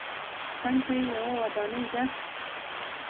څنګ ته یې یوه ودانۍ ده.